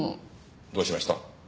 どうしました？